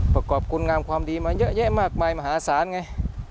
ประกอบคุณงามความดีมาเยอะแยะมากมายมหาศาลไง